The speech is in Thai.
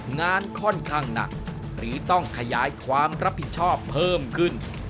งานค่อนข้างหนักหรือต้องขยายความรับผิดชอบเพิ่มขึ้น